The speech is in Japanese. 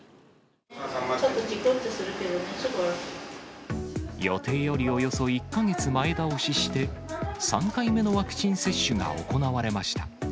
ちょっとちくっとするけどね、予定よりおよそ１か月前倒しして、３回目のワクチン接種が行われました。